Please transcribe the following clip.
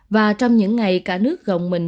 và trong những ngày cả nước gồng mình